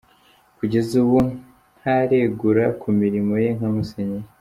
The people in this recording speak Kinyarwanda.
Kugeza ubu ntaregura ku mirimo ye nka musenyeri.